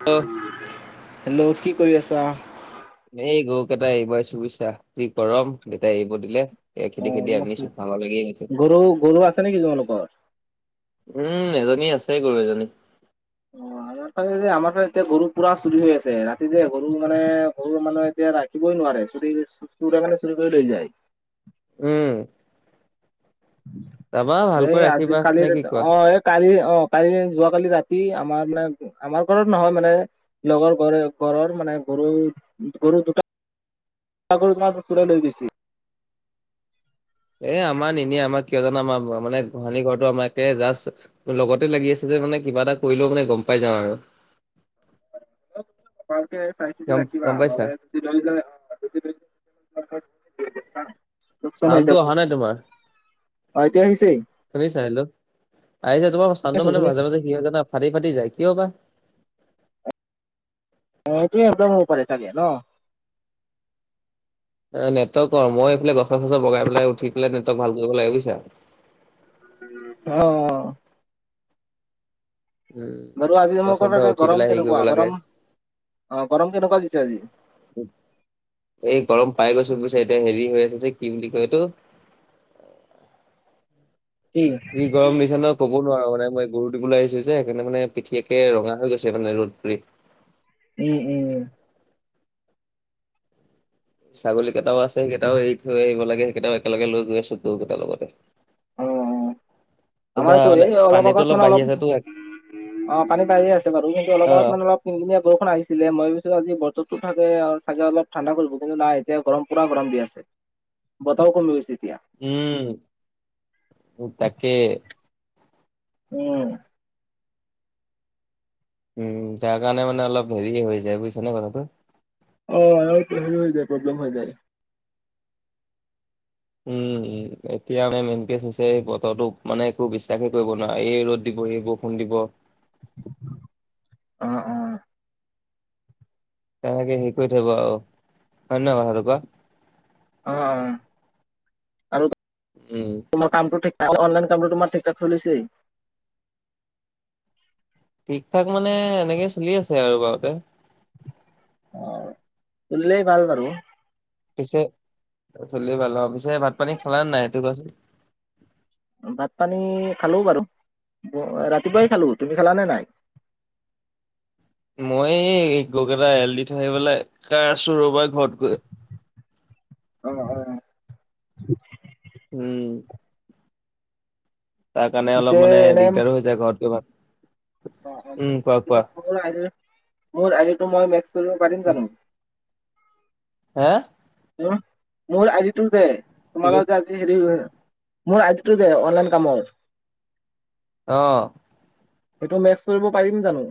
[unintelligible] Hello কি কৰি আছা? এই গৰুকেটা এৰিব আইছো বুইছা যি গৰম দেতাই এৰিব দিলে। এ খেদি অ', খেদি আনিছো [unintelligible] ভাগৰ লাগিয়ে গৈছে গৰু গৰু আছে নিকি তোমালোকৰ? উম এজনী আছে গৰু এজনী। অ', আৰু [unintelligible] আমাৰ ফালে এতিয়া গৰু পুৰা চুৰি হৈ আছে ৰাতিতে গৰুৰ মানে গৰুৰ মানে এতিয়া ৰাই থিবই নোৱাৰে [unintelligible] চুৰে মানে চুৰ কৰি লৈ যায়। উম। তাৰপা এই ভালকৈ আজি ৰাখিবা কালি নে কি ৰাতি কোৱা অ', এক কালি অ', কালি যোৱা কালি ৰাতি আমাৰ মানে আমাৰ ঘৰত নহয় মানে লগৰ ঘৰ ঘৰৰ মানে গৰু গৰু দুটা [unintelligible] চুৰে লৈ গৈছি এ, আমাৰ নিনিয়ে আমা কিয় জানা আমা [unintelligible] মানে গোহালি ঘৰটো আমা একে জাষ্ট লগতে লাগি আছে যে মানে কিবা এটা কৰিলেও মানে গম পাই যাওঁ আৰু। [unintelligible] চাই চিটি গম ৰাখিবা গম পাইছা নহ'লে [unintelligible] লোকচান হৈ চাউণ্ডটো যাব অ', অহা নাই তোমাৰ এতিয়া আহিছে শুনিছা হেল্লো আহিছে তোমাৰ চাউনটো শুনিছো মানে শুনিছো মাজে মাজে সি হৈ জানা ফাটি ফাটি যায় কিয়বা অ', সেইটোয়ে একদম হ'ব পাৰে চাগে ন এ, নেটৱৰ্কৰ মই এইফালে গছ চছৰ বগাই পেলাই উঠি পেলাই নেটৱৰ্ক ভাল কৰিব লাগে বুইছা অ', অ'। উম, ধৰ আজি মই গছত ধৰ [unintelligible] উঠি গৰম পেলাই হেৰি কৰিব কেনেকুৱা লাগে। গৰম অ', গৰম কেনেকুৱা দিছে আজি এই গৰম পাই গৈছোঁ বুইছা এতিয়া হেৰি হৈ আছে যে কি বুলি কয় এইটো কি যি গৰম দিছে ন ক'ব নোৱাৰো মানে মই গৰু দিবলৈ আহিছোঁ যে সেইকাৰণে মানে পিঠি একে ৰঙা হৈ গৈছে মানে ৰ'দ পৰি। উম উম। ছাগলী কেটাও আছে সেকেটাও এৰি থৈ আহিব লাগে সেকেটাও একেলগে লৈ গৈ আছোঁ গৰুকিটা লগতে অ', অ'। ধৰা আমাৰোতো মানে এই অলপ পানীটো আগত, মানে বাঢ়ি অলপ আছেতো অ', পানী পাইয়ে আছে বাৰু কিন্তু অলপ আগত অ', মানে অলপ কিনকিনিয়া বৰষুন আহিছিলে মই ভাবিছো আজি বতৰতো চাগে আ চাগে অলপ ঠাণ্ডা কৰিব কিন্তু নাই এতিয়া গৰম পুৰা গৰম দি আছে, বতাহো কমি গৈছে এতিয়া। উম, উ তাকে। উম। উম, তাৰ কাৰণে মানে অলপ হেৰিয়ে হৈযায় বুজিছানে কথাটো। অ', [unintelligible] হেৰি হৈ যায়, প্ৰব্লেম হৈ যায়। উম। উ এতিয়া মানে মেইন কেছ হৈছে এই বতৰটো মানে একো বিশ্বাসে কৰিব নোৱাৰা এই ৰ'দ দিব এই বৰষুণ দিব। অ', অ'। তেনেকে হেৰি কৰি থাকিব আৰু হয়নে নহয় কথাটো কোৱা। অ', অ'। উম। তোমৰ কামটো ঠিক [unintelligible] অনলাইন কামটো তোমাৰ ঠিকঠাক চলিছেই। ঠিক ঠাক মানে এনেকেই চলি আছে আৰু বাৰতে। অ', চলিলে ভাল বাৰু। পিছে, চলিলে ভাল অ', পিছে ভাত পানী খালানে নাই সেইটো কোৱাচোন। ভাত পানী খালো বাৰু, মই ৰাতিপুৱাই খালো, তুমি খালা নে নাই? মই এই গৰুকেইটা এৰাল দি থৈ আহি পেলাই খাই আছো ৰ'বা ঘৰত গৈ। অ', হয়, হয়। উম। তাৰকাৰণে পিছে অলপ মানে এনে দিগদাৰও হৈ যায় ঘৰত গৈ ভা [unintelligible] মোৰ আইডিটো মই মেক্স কৰিব পাৰিম জানো? হা? [unintelligible] মোৰ আইডিটোৰ যে কি তোমাৰ কৈ লগত যে আজি এ, হেৰি মোৰ আইডিটোৰটে অনলাইন কামৰ অ' সেইটো মেক্স কৰিব পাৰিম জানো।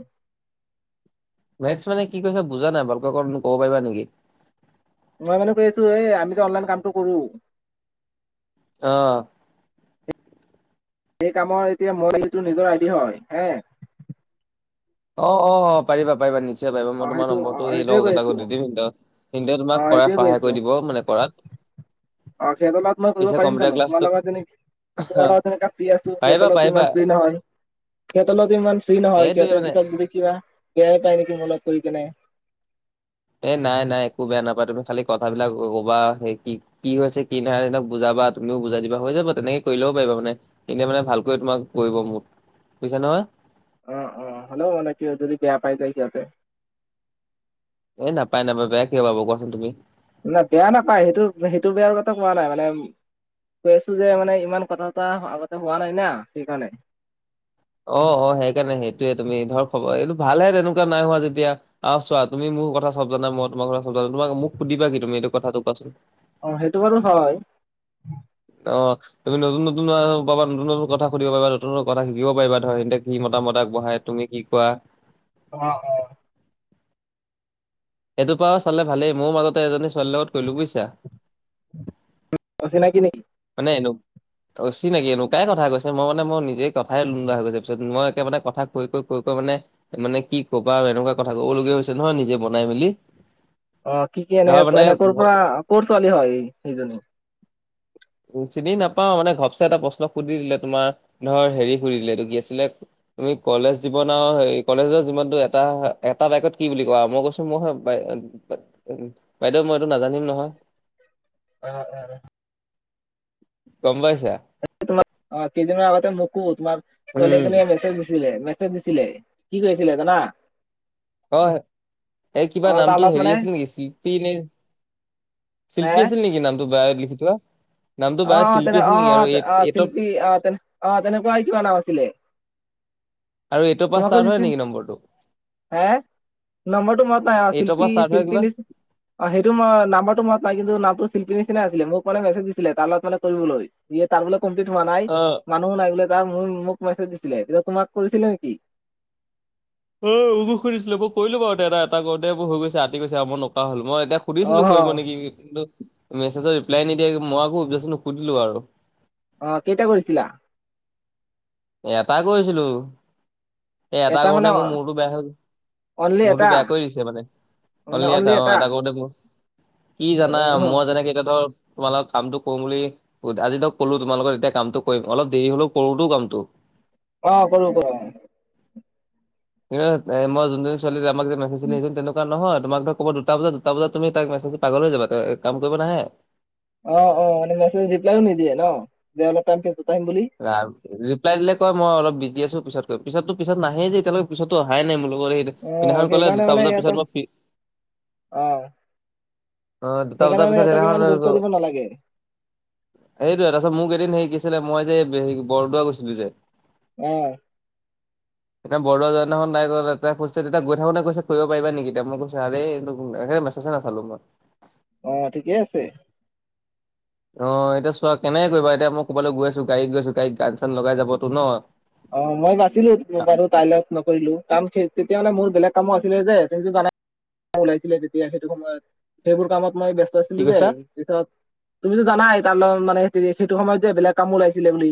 মেক্স মানে কি কৈছা বুজা নাই, ভালকৈ অকমান মোক ক'ব পাৰিবা নেকি। মই মানে কৈ আছো, এ, আমিযে অনলাইন কামটো কৰো। অ' সেই কামৰ এতিয়া মই [unintelligible] নিজৰ আইডি হয়, হে অ', অ', অ', পাৰিবা পাৰিবা নিশ্চয় পাৰিবা, অ মই তোমাৰ সেইটো অ নম্বৰটো সেই সেইটোয়ে লগ কৈ আছো কেটাকো দি দিম সেইকেইতা সেইকেইটাই অ তোমাক কৰাত সেইটোয়ে কৈ সহায় আছো কৰি দিব, মানে কৰাত অ', সিঁহতৰ লগত মই কৰিব পিছে পাৰিম কম্পিউটাৰ জানো ক্লাছটো তোমাৰ লগত যেনি অ তোমাৰ লগত যেনেকা ফ্ৰী আছো, পাৰিবা সিহঁতৰ লগততো পাৰিবা ইমান ফ্ৰী নহয়। সিহঁতৰ লগতটো ইমান ফ্ৰী নহয়, এইটোয়ে সিহঁতে মানে পিছত যদি কিবা বেয়াই পায় নেকি, মনত কৰি কেনে। এ, নাই নাই একো বেয়া নাপায় তুমি খালি কথাবিলাক ক-কবা সেই কি কি হৈছে কি নাইহোৱা, সেহতক বুজাবা তুমিও বুজাই দিবা হৈ যাব তেনেকে, কৰি ল'ব পাৰিবা মানে। এনে মানে ভালকৈ তোমাক কৰিব, মুঠ বুজিছা নহয়। অ', অ', হ'লেও মানে কি হয়, যদি বেয়া পাই যায় সিঁহতে। এ, নাপায়, নাপায়, বেয়া কিয় পাব, কোৱাচোন তুমি। না বেয়া নাপায়, সেইটো সেইটো বেয়াৰ কথা কোৱা নাই মানে কৈ আছো যে, মানে ইমান কথা চথা হোৱা আগতে হোৱা নাই না সেইকাৰণে। অ অ সেইকাৰণে সেইটোয়ে তুমি ধৰ খবৰ এইটো ভালহে তেনেকুৱা নাই হোৱা যেতিয়া আহ চোৱা তুমি মোৰ কথা চব জানা মই তোমাৰ কথা চব জানো তোমা মোক সুধিবা কি তুমি এইটো কথাটো কোৱাচোন অ সেইটো বাৰু হয় অ তুমি নতুন নতুন পাবা নতুন নতুন কথা সুধিব পাৰিবা নতুন নতুন কথা শিকিব পাৰিবা ধৰা সিহঁতে কি মতামত আগবঢ়ায় তুমি কি কোৱা অ অ এইটোপা চালে ভালেই মোৰ মাজতে এজনী ছোৱালীৰ লগত কলোঁ বুজিছা অচিনাকি নেকি মানে এনো অচিনাকি এনেকুৱাই কথা কৈছে মই মানে মোৰ নিজেই কথাই নুলোৱা গৈছে পিছত মই একে মানে কথা কৈ কৈ কৈ কৈ মানে মানে কি ক'বা আৰু এনেকুৱা কথা কব লগীয়া হৈছে নহয় নিজে বনাই মেলি অ কি কি এনে ধৰ মানে এনে কৰ ঘ- পৰা কৰ ছোৱালী হয় সেইজনী? [inaudible] চিনি নাপাও মানে ঘপচে এটা প্ৰশ্ন সুধি দিলে তোমাৰ ধৰ হেৰি সুধি দিলে ত কি আছিলে তুমি কলেজ জীৱন আৰু হেই কলেজৰ জীৱনতটো এটা এটা বাক্যত কি বুলি কোৱা মই কৈছো মই উ বাইদেউ মই এইটো নাজানিম নহয় [inaudible] গম পাইছা কেইদিনমানৰ আগতে মোকো তোমাৰ উম ছোৱালীজনীয়ে মেছেজ দিছিলে দিছিলে কি কৈ আছিলে জানা, অ এই কিবা অ', তাৰ নামটো লগত হেৰি মানে আছিল নেকি শিল্পী নে হে শিল্পী আছিল নেকি নামটো বায়ত লিখি থোৱা নামটো অ বায়ত অ শিল্পী তেনে আছিল অ নেকি অ আৰু এই অ এইটৰ শিল্পি তেনে নে অ তেনেকুৱাই কিবা নাম আছিলে। আৰু এইটোৰ পৰা তোমাকো ষ্টাৰ্ট হয় দিছিল নেকি নম্বৰটো হে নম্বৰটো মই ত এইটৰ পৰা শিল্পী ষ্টাৰ্ট হয় কিবা শিল্পী নি অ সেইটো মই নাম্বৰটো মনত নাই কিন্তু নামটো শিল্পী নিচিনা আছিলে মানে মেছেজ দিছিলে তাৰ লগত মানে কৰিবলৈ ই তাৰ বোলে কমপ্লিট হোৱা নাই অ মানুহো নাই বোলে তাৰ ম মোক মেছেজ দিছিলে তেতিয়া তোমাক কৰিছিলে নেকি অ মোকো শুধছিলো মই কৰিলো বাৰু এ এটা কৰতে বোৰ হৈ গৈ আতি গৈছে আৰু মই নকয়া হ'লো মই এতিয়া অ সুধিছিলো কৰিব নেকি কিন্তু মেছেজৰ ৰিপ্লাই নিদিয়ে মই আকৌ উকযাচি নুসুধিলো আৰু অ কেইটা কৰিছিলা? এটা কৰিছিলো এই এটা কৰোতে মোৰ মূৰটো বেয়া হৈ গ'ল। অনলি এটা মোৰতো বেয়া কৰি দিছে মানে অনলি এটা অ এটা কৰোতে মোৰ কি জানা মই যেনেকে এতিয়া ধৰ তোমালোকৰ কামটো কৰিম বুলি আজি ধক কলো তোমালোকৰ এতিয়া কামটো কৰিম অলপ দেৰি হলেও কৰোতো কামটো অ কৰো কৰা কিন্তু এ মই যোনজনী ছোৱালী আমাক যে মেছেজ দিছিলে সেইজনী তেনেকুৱা নহয় তোমাক ধৰ ক'ব দুটা বজাত দুটা বজাত তুমি তাক মেচে্জ পাগলৈ যাবা ত কাম কৰিব নাহে অ অ মেছেজ ৰিপ্লাইয়ও নিদিয়ে ন দে অলপ টাইমৰ পিছত আহিম বুলি [inaudible] ৰিপ্লাইদিলে কয় মই অলপ বিজি আছো পিছত কৰিম পিছতো পিত নাহে যে এতিয়ালৈকে পিছত অহাই নাই মোৰ লগতে অ সেইদিনাখন ক'লে সেইকাৰণে দুটা মানে বজাৰ ইহঁতৰ পিছত মই ফি অ অ দুটা সেইকাৰণে বজাৰ মানে পিছত সিহঁতক ইমান সেইদিখন গুৰুত্ব আৰু দিব নালাগে সেইটোয়েই তাৰপিছত মোক এদিন হেই কি আছিলে মই যে হেই বৰদোৱা গৈছিলো যে অ'। [inaudible] এতিয়া বৰদোৱা যোৱাদিনাখন তাই এতিয়া গৈ থাকো তাতে গৈ থাকোতে সুধিছে কৰিব পাৰিবা নেকি এতিয়াই কৈছা আৰে এই [unintelligible] নাচলো মই। অ' ঠিকেই আছে। অ' এতিয়া চোৱা কেনেকে কৰিবা, এতিয়া মই ক'বালৈ গৈ আছো গাড়ীত গৈছো গাড়ীত গান চান লগাই যাবতো ন। অ' মই বাচিলো বাৰু তাই লগত নকৰিলো। কাম তেতিয়া মানে মোৰ বেলেগ কামো আছিলে যে সেইটো কাৰণে ওলাইছিলে তেতিয়া সেইটো সময়ত সেইবোৰ কামত মই ব্যস্ত কি ছিলো কৈছা? দেই পিছত তুমিটো জানাই তাৰ লগত মানে সেইটো সময়ত যে বেলেগ কাম ওলাইছিলে বুলি।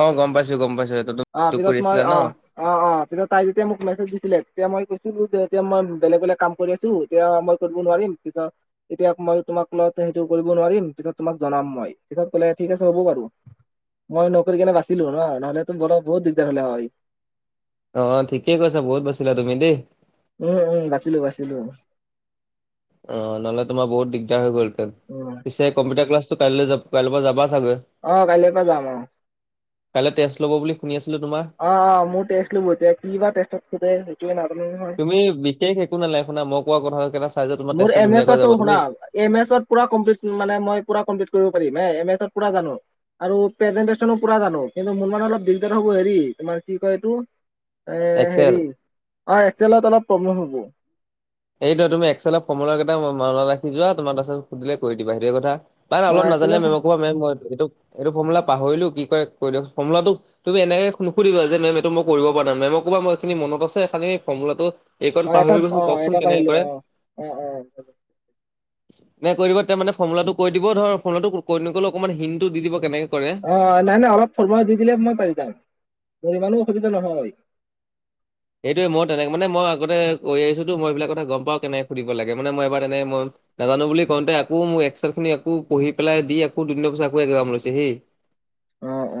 অ' গম পাইছো, গম পাইছো। সেইটো টো অ' পিছত মই অ' [inaudible] কিন্ত তাই যেতিয়া মোক মেছেজ দিছিলে তেতিয়া মই কৈছিলো যে এতিয়া মই বেলেগ বেলেগ কাম কৰি আছো। এতিয়া মই কৰিব নোৱাৰিম পিছত এতিয়া মই তোমাক লগত সেইটো কৰিব নোৱাৰিম পিছত তোমাক জনাম মই পিছত ক'লে ঠিক আছে হ'ব বাৰু। মই নকৰি কেনে বাচিলো ন নহ'লে তো মোৰো বহুত দিগদাৰ হ'লে হয়। অ' ঠিকে কৈছা বহুত বাচিলা তুমি দেই। উম উম বাচিলো বাচিলো। অ' নহ'লে তোমাৰ বহুত দিগদাৰ হৈ গ'ল হেঁতেন উম পিছে কম্পিউটাৰ ক্লাছটো কাইলৈ যাবা কাইলৈৰ পৰা যাবা চাগৈ। অ' কাইলৈৰ পৰা যাম আৰু। কাইলৈ টেষ্ট ল'ব বুলি শুনি আছিলো তোমাৰ। অ', অ' মোৰ টেষ্ট ল'ব এতিয়া কি বা টেষ্টত সুধে এইটোৱে নাজানো নহয়। তুমি বিশেষ একো নালাগে শুনা মই কোৱা কথা কেইটা চাই যে তোমাৰ মোৰ টেষ্টটো এম ধুনীয়াকৈ এছৰ টো যাব তুমি শুনা এই এম এছত পুৰা কমপ্লি মানে মই পুৰা কমপ্লিট কৰিব পাৰিম এম এছত পুৰা জানো। আৰু প্ৰেজেণ্টেচনো পুৰা জানো কিন্তু মোৰ মানে অলপ দিগদাৰ হ'ব হেৰি তোমাৰ কি কয় এইটো এ এক্সেল হেৰি অ' এক্সেলত অলপ প্ৰব্লেম হ'ব। সেইটোৱে তুমি এক্সেলৰ ফৰ্মুলা কেইটা মনত ৰাখি যোৱা তোমাক তাৰপিছত সুধিলে কৰি দিবা সেইটোহে কথা। মানে অ অলপ নাজানিলে এক্সেলত মেমক কবা মেম এইটো এইটো ফৰ্মুলা পাহৰিলো কি কয় কৈ দিয়কচোন ফৰ্মুলাটো তুমি এনেকে নুসুধিবা যে মেম এইটো মই কৰিব পৰা নাই মেমক ক'ব এইখিনি মনত আছে খালি ফৰ্মুলাটো এই কণ পাহৰি গৈছো কওঁক। পাহৰিলো অ'। অ', অ'। [inaudible] নাই কৈ দিব তাৰ মানে ফৰ্মুলাটো কৈ দিব ধৰ ফৰ্মুলাটো কৈ নক'লেও অকমান হিনটো দি দিব কেনেকে কৰে। অহ, নাই নাই অলপ ফৰ্মুলা দি দিলে মই পাৰি যাম মোৰ ইমানো অসুবিধা নহয়। এইটোৱে মই তেনেকে মানে মই আগতে কৰি আহিছোতো মই এইবিলাক কথা গম পাওঁ কেনেকে সুধিব লাগে মানে মই এবাৰ তেনেকে মই নাজানো বুলি কওঁতে আকৌ মোক এক্সেল খিনি আকৌ পঢ়ি পেলাই দি আকৌ দুদিনৰ পিছত আকৌ একজাম লৈছে হি। অ অ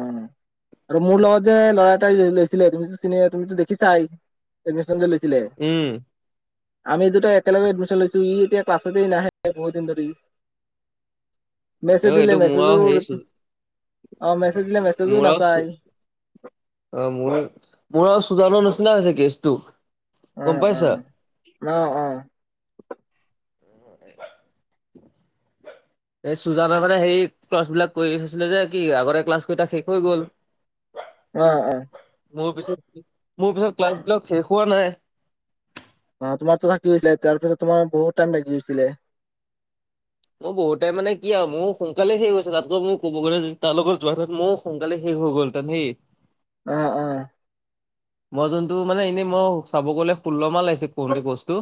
আৰু মোৰ লগত যে ল'ৰা এটাই লৈছিলে তুমিতো চিনে তুমিতো দেখিছাই। এডমিছন যে লৈছিলে। উম। আমি দুটা একেলগে এডমিছন লৈছো ই এতিয়া ক্লাছতে নাহে বহুত দিন ধৰি। অ মেছেজ দিলে এইটো মোৰ আৰু হেৰি চু মেছেজো- অ' মেছেজ দিলে মেছেজো না কেচটো। অ' মোৰ মোৰ আৰু চুজানৰ নিচিনাই হৈছে কেচটো। গম অ', পাইছা অ', ন, অ'। [inaudible] এই চুজানৰ মানে সেই ক্লাছ বিলাক কৰি থৈছিলে যে কি আগতে ক্লাছ কৰি তাত শেষ হৈ গ'ল। [inaudible] অঁ অঁ' মোৰ পিছত মোৰ পিছত ক্লাছ বিলাক শেষ হোৱা নাই। অঁ তোমাৰতো থাকি গৈছিলে, তাৰ পিছত তোমাৰ বহুত টাইম লাগি গৈছিলে। মোৰ বহুত টাইম মানে কি আৰু মোৰো সোনকালে শেষ হৈছে তাতকৈ মোৰ ক'ব গৈলে তাৰ লগত যোৱা ঠাইত মোৰ- সোনকালে শেষ হৈ গ'ল হেতেন সেই- অঁ অঁ' মই যোনটো মানে এনেই মই চাব গ'লে ষোল্ল মাহ লাগিছে কৰোংতে কোৰ্ছটো।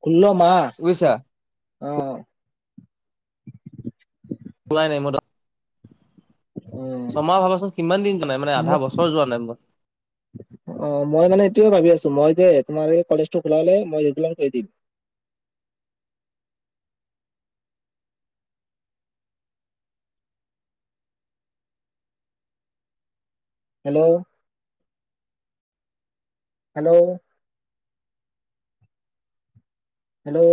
ষোল্ল মাহ অঁ'। খোলাই নাই মইতো। অ ছয় মাহ ভাবাচোন কিমান দিন যোৱা নাই, মানে আধা বছৰ যোৱা নাই মই। অ' মই মানে এইটোৱে ভাবি আছো মই যে তোমাৰ এই কলেজটো খোলা লে মই ৰেগুলাৰ কৰি দিম। Hello hello hello